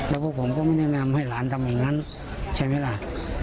แล้วพวกผมก็ไม่ได้ทำให้หลานทำอย่างงั้นใช้เวลา